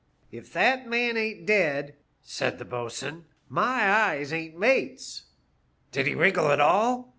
"* If that man ben't dead,' said the bo'sun, * my eyes ain't mates.' ' Did he wriggle at all